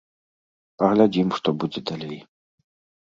Паглядзім, што будзе далей.